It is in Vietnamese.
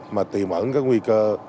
mà tìm ẩn các nguy cơ